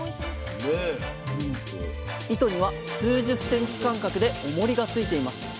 糸には数十センチ間隔でおもりがついています。